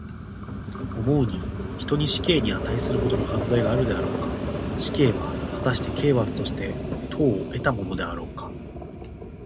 思うに、人に死刑にあたいするほどの犯罪があるであろうか。死刑は、はたして刑罰として当をえたものであろうか。